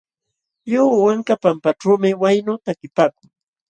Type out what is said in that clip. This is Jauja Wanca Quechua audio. Lliw wanka pampaćhuumi waynu takipaakun.